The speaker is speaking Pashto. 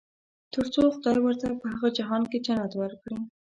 تر څو خدای ورته په هغه جهان کې جنت ورکړي.